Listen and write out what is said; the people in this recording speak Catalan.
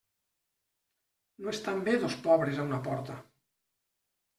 No estan bé dos pobres a una porta.